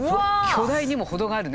巨大にも程があるね。